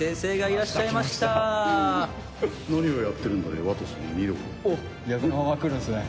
何をやってるんだね？